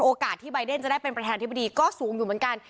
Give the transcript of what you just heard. ที่ใบเดนจะได้เป็นประธานธิบดีก็สูงอยู่เหมือนกัน